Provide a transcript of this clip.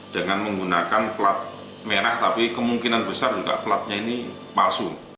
dengan menggunakan plat merah tapi kemungkinan besar juga platnya ini palsu